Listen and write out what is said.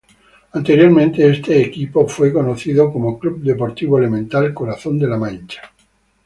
Anteriormente este equipo fue conocido como Club Deportivo Elemental Corazón de la Mancha.